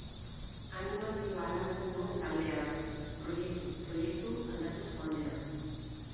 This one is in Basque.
Animazioa lantzen duen taldea da, proiektuz proiektu aldatuz joan dena.